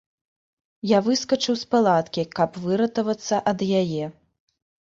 Я выскачыў з палаткі, каб выратавацца ад яе.